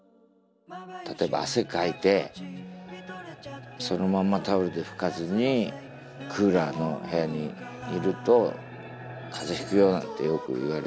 例えば汗かいてそのままタオルで拭かずにクーラーの部屋にいると風邪ひくよなんてよく言われて。